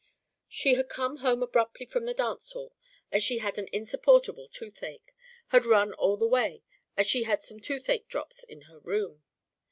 She had come home abruptly from the dance hall as she had an insupportable toothache had run all the way, as she had some toothache drops in her room.